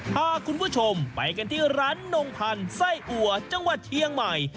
พาคุณผู้ชมไปกันที่ร้านนงพันธ์ไส้อัวจังหวัดเชียงใหม่